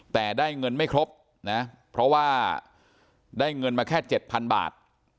แต่ได้เงินไม่ครบนะเพราะว่าได้เงินมาแค่๗๐๐บาท